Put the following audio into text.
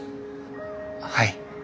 はい。